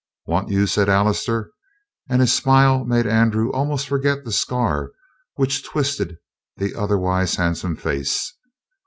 "Want you?" said Allister, and his smile made Andrew almost forget the scar which twisted the otherwise handsome face.